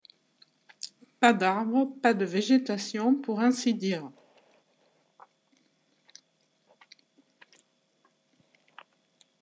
Pas d’arbres, pas de végétation, pour ainsi dire.